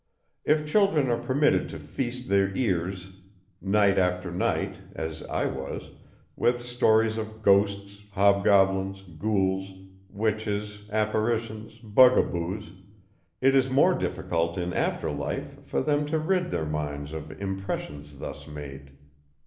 If children are permitted to feast their ears night after night (as I was) with stories of ghosts, hobgoblins, ghouls, witches, apparitions, bugaboos, it is more difficult in after life for them to rid their minds of impressions thus made.